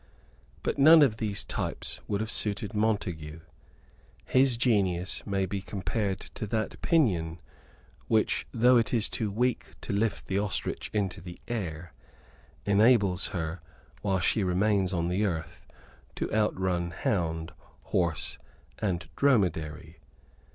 But none of these types would have suited Montague. His genius may be compared to that pinion which, though it is too weak to lift the ostrich into the air, enables her, while she remains on the earth, to outrun hound, horse and dromedary.